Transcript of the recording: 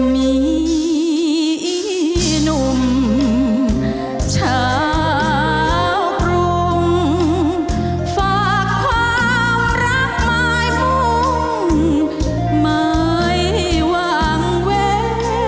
มีหนุ่มชาวกรุงฝากความรักไม้มุ่งไม่วางเว้น